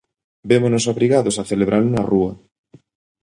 Vémonos obrigados a celebralo na rúa.